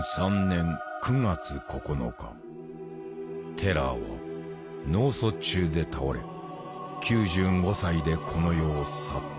テラーは脳卒中で倒れ９５歳でこの世を去った。